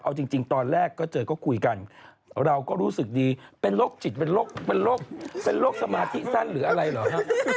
เอาจริงตอนแรกเจอก็คุยกันเราก็รู้สึกดีเป็นลกจิตเป็นลกสมาธิสั้นหรืออะไรหรอครับ